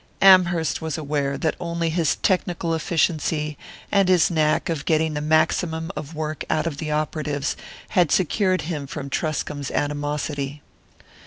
Amherst was aware that only his technical efficiency, and his knack of getting the maximum of work out of the operatives, had secured him from Truscomb's animosity.